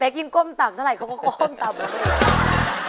ยิ่งก้มต่ำเท่าไหร่เขาก็ก้มต่ำ